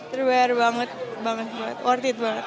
terbayar banget banget buat worth it banget